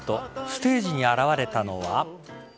ステージに現れたのは。